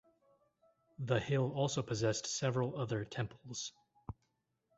The hill also possessed several other temples.